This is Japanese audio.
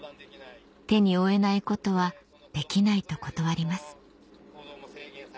手に負えないことはできないと断ります